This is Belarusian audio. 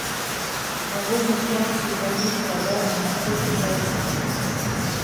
Агульны фонд свідравін складае амаль тысячу адзінак.